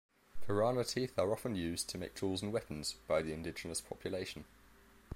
Piranha teeth are often used to make tools and weapons by the indigenous population.